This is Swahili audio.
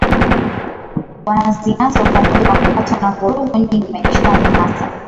wa Nazianzo Pamoja na kupatwa na vurugu nyingi maishani hasa